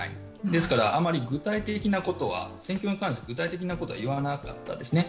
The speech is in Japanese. ですからあまり戦況に関しては具体的なことは言わなかったですね。